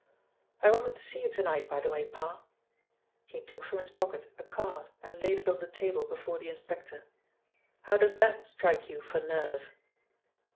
I wanted to see you to night, by the way, Parr." He took from his pocket a card and laid it on the table before the inspector. "How does that strike you for nerve?"